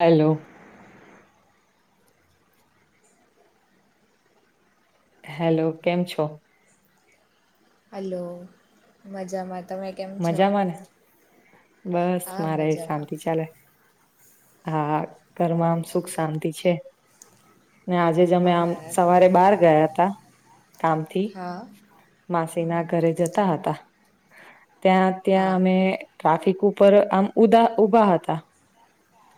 Hello! Hello કેમ છો? Hello! મજા માં. મજામાંને? બસ હા મારે મજામાં શાંતિ ચાલે. હા ઘરમાં આમ હલો સુખ શાંતિ છે? ને આજે જ અમે આમ અમારા સવારે બાર ગયા તા કામથી હા માસીના હમ, ઘરે જતા હતા. ત્યાં, ત્યાં હા અમે ટ્રાફિક ઉપર આમ ઉદા ઉભા હતા.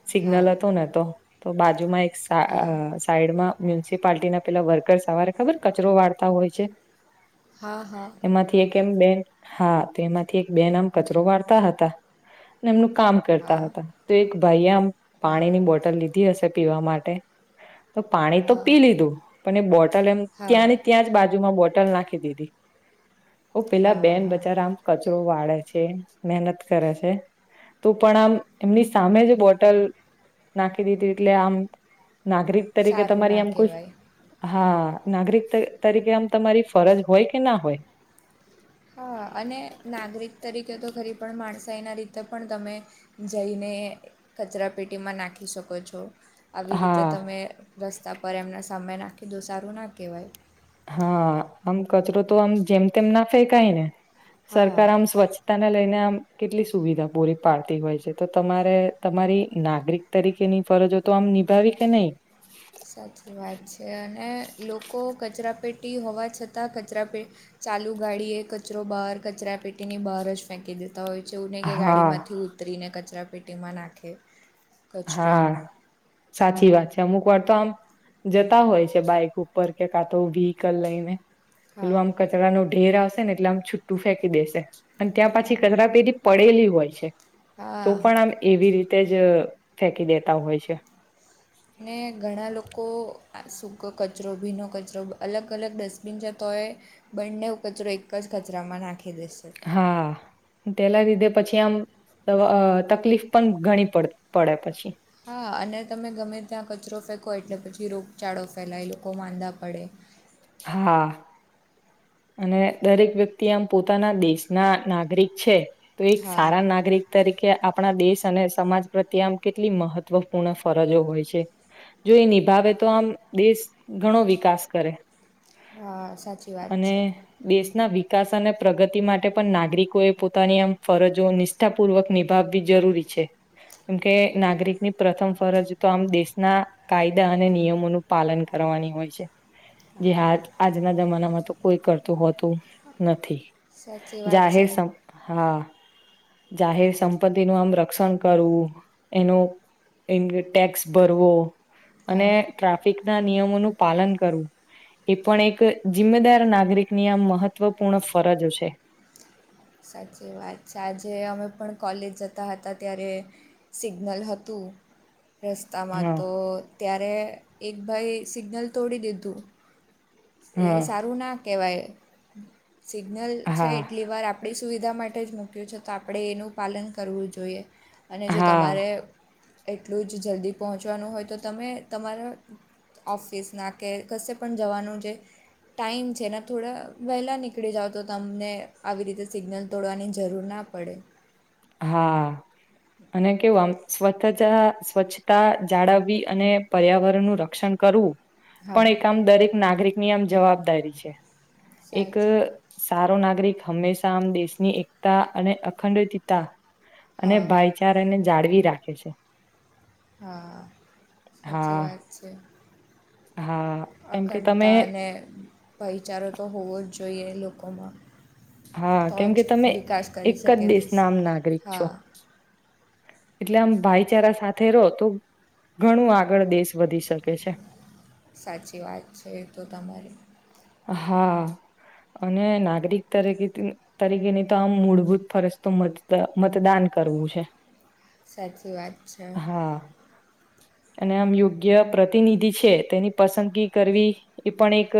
સિગ્નલ હા હતું ને તો, તો બાજુમાં એક હા સાઈડમાં મ મ્યુનિસિપાલટી ના પેલા વર્કર સવારે ખબર કચરો વાળતા હોય છે. હા હા એમાંથી એક એમ બેન હા, તો એમાંથી એક બે નામ કચરો વાળતા હતા. એમનું કામ કરતા હા હતા તો એક ભાઈએ આમ હા પાણીની બોટલ લીધી હશે, પીવા માટે તો પાણી તો હા પી લીધું પણ એ બોટલ એમ હા ત્યાં ને ત્યાં જ બાજુમાં બો તલ, નાખી દીધી ઓ પેલા બેન હા બજાર આમ કચરો વાળે છે મનત કરે છે, તો પણ આમ એમની સામે બોટલ, નાખી દીધી એટલે આમ નાગરિક તરીકે સારું તમારી ના આમ કોઈ કહેવાય હા. નાગરિક તરીકે અમ તમારી, ફરઝ હોય કે ના હોય હા અને નાગરિક તરી કે તો ખરી પણ માણસાઈ એના રીતે પણ, તમે જઈને કચરાપેટીમાં નાખી શકો? શકો છો. આવી રીતે હા તમે રસ્તા પર એમને સામે નાખી દો સારું ના કહેવાય. હા, અમ કચરો તો આમ જેમ તેમ ના ફે કઈ ને હા સરકાર આમ સ્વચ્છતાને લઈને આમ કેટલી સુવિધા પૂરી પાડતી હોય છે. તો તમારે તમારી નાગરિક તરીકેની ફરજો તો આમ નિભાવી કે નહી. સાચી વાત છે, અને લોકો કચરાપેટી હોવા છતાં કચરાપેટી ચાલુ ગાડીએ કચરો, બહાર કચરા પેટીની બહાર જ ફેંકી દે તો હોય છે, એવું નને કે હા ગાડીમાંથી ઉતરીને કચરા પેટીમાં નાખે કચરો હા, સાચી વાત છે. અમુક વાર તો આમ જતા હોય છે, બાઈક ઉપર કે કાં તો વ્હીકલ લઈને હા પેલું આમ કચરા ન ઢેર આવશે, ને એટલે આમ છુટ્ટું ફેંકી દેશે અને ત્યાં પછી કચરા પેડી પડેલી હોય છે, તો હા પણ આમ એવી રીતે જ અ ફેંકી દેતા હોય છે. ને ઘણા લોકો આ સુૂક કચરો, ભીનો કચરો અલગ અલગ ડસ્ટબિન છે તો ભએ બંને કચરો એક જ કચરામાં નાખી દેશે તેલા લીધે પછી આમ તકલીફ પણ ઘણી પડ પડે પછી. હા, અને તમે ગમે ત્યાં કચ રો કચરો ફેંકો એટલે, પછી રોગચાળો ફેલાય લોકો માંંધા પડે હા. અને દરેક વ્યક્તિ આમ પોતાના દેશના નાગરિક છે. તો, એક હા સારા નાગરિક તરીકે આપણા દેશ અને સમાજ પ્રતે આમ કેટલી મહત્વપૂર્ણ ફરજો હોય છે જો એ નિભાવે તો આમ દેશ ઘણો વિકાસ કરે. હા, સાચી વાત છે અને, દેશના વિ વિકાસ અને પ્રગતિ માટે, પણ નાગરિકોએ પોતાની આમ ફરજો નિષ્ઠાપૂર્વક નિભાવવી જરૂરી છે, કેમ કે નાગરિકની પ્રથમ ફરજ, તો આમ દેશના કાયદા અને નિયમોનું પાલન કરવાની હોય છે જે, હા આજના જમાનામાં તો કોઈ કરતું હોતું નથી, સાચી વાત જાહેર છે હા જાહેર સંપત્તિ નું આમ રક્ષણ કરવું એનું એ ટેક્સ ભરવો, અને હા ટ્રાફિક ના નિયમોનું પાલન કરવું એ, પણ એક જિમ્મેદાર નાગરિકની આ મહત્વપૂર્ણ ફરજ છે સાચી વાત છે, આજે અમે પણ કોલેજ જતા હતા ત્યારે સિગ્નલ હતું [inaudible] રસ્તામાં હા તો, ત્યારે એક ભાઈ સિગ્નલ તોડી દીધું એ હા સારું ના કહેવાય સિગ્નલ છે, હા એટલી વાર આપડી સુવિધા માટે જ મૂક્યું છે, તો આપણે એનું પાલન કરવું જોઈએ અને, જો હા તમારે એટલું જ જલ્દી પહોંચવાનું હોય, તો તમે તમારા ઓફિસ, ના કે કશે પણ જવાનું છે. ટાઈમ છેને, થોડા વહેલાં નીકળી જાવ, તો તમને આવી રીતે સિગ્નલ તોડવાની, જરૂર ના પડે કડે હા અને કેવું આમ સ્વચ્છતા, સ્વચ્છતા જાળવવી અને પર્યાવરણનું, રક્ષણ કરુ પણ હા એક આમ દરેક નાગરિકની, આમ જવાબદારી છે. એક સાચી સારો નાગરિક, હંમેશા આમ દેશની એકતા અને અખંડ અને હા ભાઈચારાને જાળવી રાખે છે. હા, સાચી હા વાત છે. હા, એમ કે તમે અખંડતા અને ભાઈચારો, તો હોવો જ જોઈએ લોકોમાં હા, તો કેમકે જ તમે વિકાસ કરી એકજ શકે દેશ દેસના, આમ નાગરિક હા છો. એટલે આમ ભાઈચારા સાથે રહો, તો ઘણું આગળ દેશ વધી, શકે છે. સાચી વાત છે, તો તમારે હા. અને નાગરિક તરીકે તરીકેની, તો આમ મૂળભૂત ફરજ તો મ મતદાન કરવું છે. સાચી, વાત છે. હા અને આમ યોગ્ય પ્રતિનિધિ છે, તેની પસંદગી કરવી એ પણ એક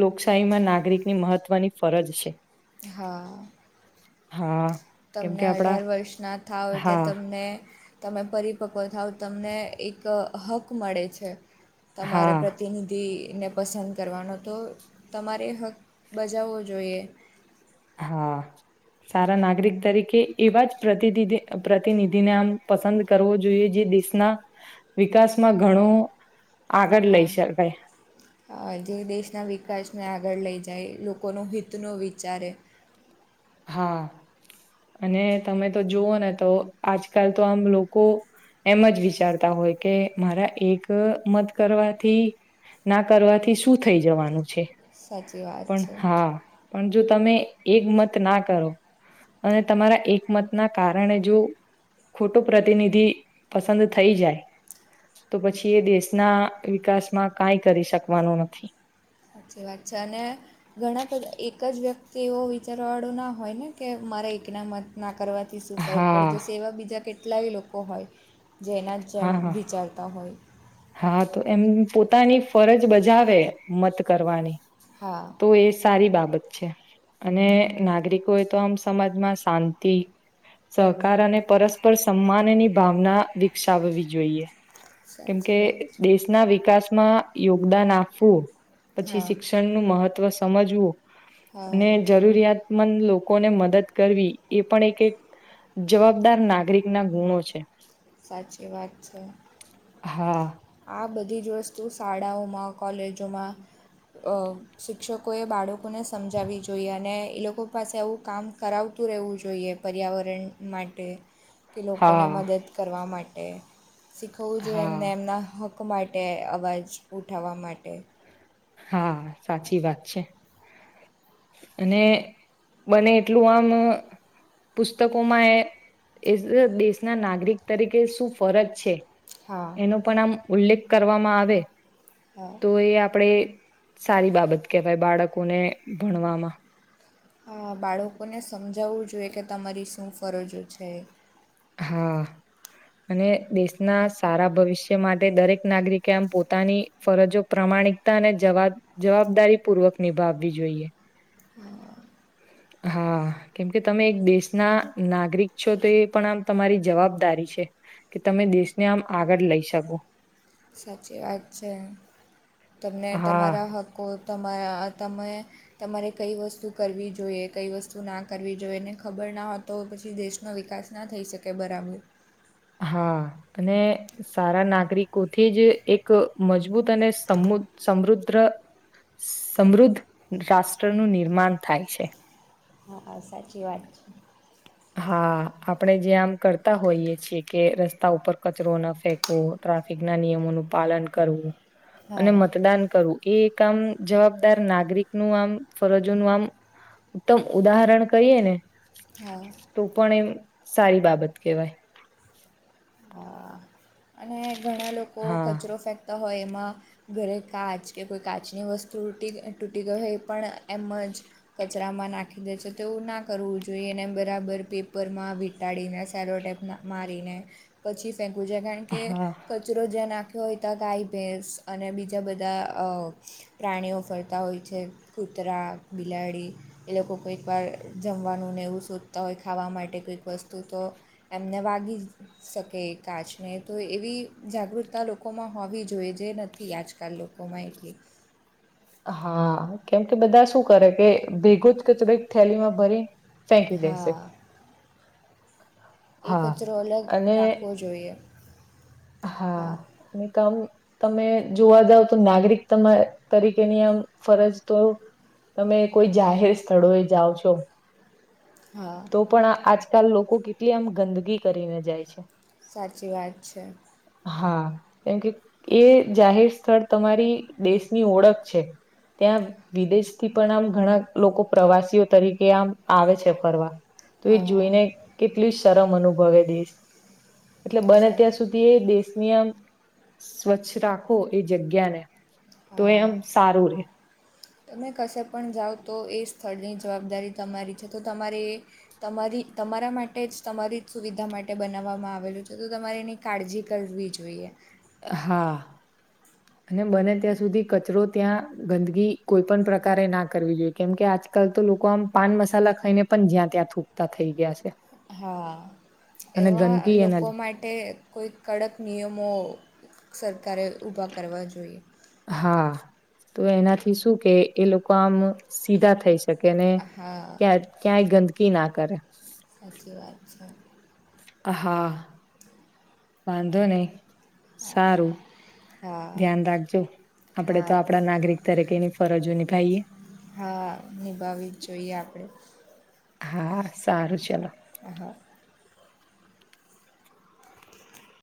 લોકશાહીમા નાગરિકની, મહત્વની ફરજ છે. હા. હા. તમને કેમકે આપડા અઢાર વર્ષના થાવ, એટલે હા તમને તમે પરરી પકવન થાવ, તમને એક હક, મળે છે. હા તમારા પ્રતિનિધિ ને પસંદ કરવાનો, તો તમારે હક બજાવવો જોઈએ હા, સારા નાગરિક તરીકે, એવા જ પ્રતિિધિ પ્રતિનિધિને આમ પસંદ કરવો જોઈએ, જે દેશના વિકાસમાં ઘણો આગળ લઈ શકાય હા, જે દેશના વિકાસમા આગ આગળ લઈ, જાય લોકોનું હિતનો વિચારે હા અને તમે, તો જોુવઓ ને તો આજકાલ તો આમ લોકો એમ જ વિચારતા હોય, કે મારા એક મત કરવાથી ના કરવાથી શું થઈ, જવાનું છે. સાચી વાત પણ, છે હા પણ, જો તમે એક મત ના કરો. અને તમારા એકમતના કારણે, જો. ખોટો પ્રતિનિધિ પસંદ થઈ, જાય. તો પછી એ દેશના વિકાસમાં કઈ કરી શકવાનું નથી. સાચી વાત છે, અને ઘણા બધા એક જ વ્યક તો એવો વિચારવા વાળુંના હોય, ને કે મારા એકના મત નાખે. કરવાથી શું ફરક, પડે હા જ સ એવા બીજા, કેટલાય લોકો હોય. જેના, જેમ હા હા વિચારતા હોય. હા, તો એમ પોતાની ફરજ, બજાવે મત કરવાની હા તો એ સારી બાત છે, અને નાગરિકો એ તો આમ સમાજમાં શાંતિ. સહકાર અને પરસ્પર સન્માનની ભાવના વિકસાવવી જોઈએ. સ [unintelligible] કે દેશના વિકાસમા યોગદાન આપવું પછી, હા શિક્ષણનું, મહત્વ સમજવું, હા જરૂરિયાત. મન લોકોને મદદ કરવી, એ પણ એક, એક જવાબદાર નાગરિકના ગુણો છે. સાચી, વાત છે. હા. આ બધી જ વસ્તુ શાળાઓમા, કોલેજોમાં અ શિક્ષકોએ બાળકોને સમજાવવી જોઈએ, અને એ લોકો પાસે આવું કામ કરાવ. શું રહેવું જોઈએ, પર્યાવરણ માટે. કે લોકોને હા મદદ કરવા માટે, શીખવવું જોઈએ હા એમને એમના. હક્ક માટે, અવાજ ઉઠાવવા માટે હા, સાચી વાત છે. અને બને, એટલું આમ. પુસ્તકોમાં એ એ દેશના, નાગરિક તરીકે શું ફરજ છે. હા એનો પણ આમ ઉલ્લેખ કરવામાં, આવે! હા તો એ આપણેે. સારી બાબત કહેવાય, બાળકોને ભણવામાં હા, બાળકોને સમજાવવું જોઈએ કે તમારી શું ફરજો છે. હા. અને દેશના સારા ભવિષ્ય માટે દરેક, નાગરિકે આમ પોતાની ફરજો પ્રમા માણિકતાને જવાબ જવાબદારી, પૂર્વક નિભાવવી જોઈએ. હા, કેમકે તમે એક દેશના નાગરિક છો, તો એ પણ આમ તમારી જવાબદારી. કે તમે દેશને આમ આગળ લઈ, શકો સાચી વાત છે તમને, હા તમારા હકો. તમે તમારે કઈ વસ્તુ કરવી જોઈએ, કઈ વસ્તુ ના. કરવી જોઈએ, એને ખબર ના. હ, તો પછી દેશનો વિકાસના થઈ, શકે બરાબર હા, અને સારા નાગરિકોથી, જ એક મજબૂત અને સમમૂત સમૃદ્ર. સમૃદ્ધ રાષ્ટ્રનું નિર્માણ થાય છે. સાચી, વાત છે. હા, આપણેે જે આમ કરતા હોઈએ છીએ, કે રસ્તા ઉપર કચરોના ફેંકવો ટ્રાફિક ના. નિયમો નો પાલન કરવું, અને હા મતદાન કરવું. એ એક આમ જવાબદાર, નાગરિક નું આમ ફરજોનું આમ કેમ ઉદાહરણ કઈ, એ ને હા તો પણ એમ સારી બાબત, કહેવાય હા અને ઘણા લોગો હા કચરો ફેંકતા હોય, એમાં ઘરે કાચ કે કોઈ કાચની, વસ્તુૂટી તૂટી ગઈ હોય, એ પણ એમ જ કચરામાં નાખી દે છે, તોવું ના કરવું જોઈએ, એને બરાબર પેપરમા વિીટાડીને સ મા પછી, ફેક કારણ કે હા કચરો નાખ હોય, તો ગાય ભેંસ અને બીજા બધા પ્રાણીઓ ફરતા હોય છે, ખૂબ કૂતરા બિલાડી, એ લોકો કઈક વાર જમવાનું ને એવું શોધતા હોય, ખાવા માટે કઈક વર વસ્તુ, તો એમને વાગી શકે એ કાચને, તો એવી જાગૃતતા લોકોમા હોવી, જોઈએ જે નથી. આજકાલ લોકોમાં એટલી હા, કેમ કે બધા શું કરે કે ભેગું જ કે થોડીક થેલીમા ભરી થેન્ક, યુ જેસ એકતરો અલગ અને નાખવો, જોઈએ હા, અને કામ તમે જોવા, જાવ તો નાગરિક તમા તરીકેની આમ ફરજ તો તમે કોઈ જાહેર સ્થળો, એ જાઓ છો. હા તો પણ આજકાલ લોકો કેટલી આમ ગંદગી, કરીને જાય છે. સાચી વાત છે. હા, કેમકે એ જાહેર, સ્થળ તમારી દેશની ઓળખ છે. ત્યાં વિદેશથી, પણ આમ ઘણા લોકો, પ્રવાસીઓ તરીકે આમ આવે છે, ફરવા તો એ હા જોઈને, કેટલી શરમ અનુભવે દશ એટલે બને, સા ત્યાં સુધી દેશનીયમ સ્વચ્છ, રાખો એ જગ્યા ને તો હા એમ સારું રે તમે કશે પણ જાઓ, તો એ સ્થળની જવાબદારી તમારી છે, તો તમારે એ તમારી તમારા માટે જ, તમારી જ સુવિધા માટે બનાવવામાં આવેલું છે, તો તમારે એની કાળજી કરવી જોઈએ હા અને બને ત્યાં સુધી કચરો, ત્યાં ગંદકીી કોઈ પણ પ્રકારેના કરવી, જોઈએ કેમકે આ આજકાલ, તો લોકો આમ પાન મસાલા ખાઈને પણ જ્યાં, ત્યાં થૂકતા થઈ ગયા છે. હા. અને એવા ગંદકી એના લોકો માટે કોઈ, કડક નિયમો સરકારે ઊભા કરવા જોઈએ. હા તો એનાથી, શું કે એ લોકો આમ સીધા થાય છે. કેને હા ક્યા ક્યાંય ગંદકી, ના કરે સાચી વાત છે હ હા વાંધો, નને સારું હા ધ્યાન રાખજો, આપડે તો હા આપડા નાગરિક તરીકે એની ફરજો નિભાઈએ હા નિભાવી જોઈએ, આપણેે હા, સારું ચલો હા